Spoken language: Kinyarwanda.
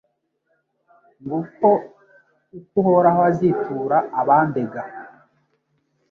Nguko uko Uhoraho azitura abandega